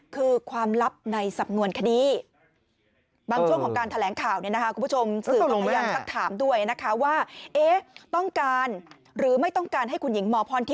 คือความลับในสำนวนคดี